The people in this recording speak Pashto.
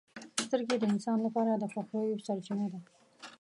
• سترګې د انسان لپاره د خوښیو سرچینه ده.